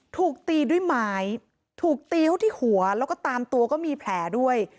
ถูกตีด้วยไม้ถูกตีเขาที่หัวแล้วก็ตามตัวก็มีแผลด้วย